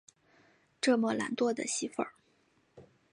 这么懒惰的媳妇